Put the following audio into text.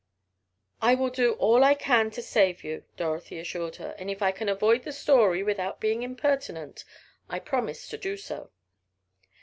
"I will do all I can to save you," Dorothy assured her, "and if I can avoid the story, without being impertinent, I promise to do so."